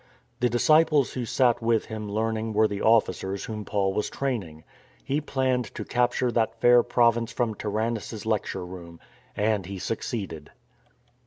The disciples who sat with him learning were the officers whom Paul was training. He planned to capture that fair province from Tyran nus' lecture room. And he succeeded.